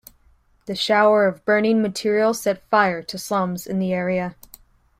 The shower of burning material set fire to slums in the area.